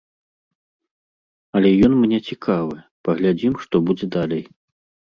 Але ён мне цікавы, паглядзім, што будзе далей.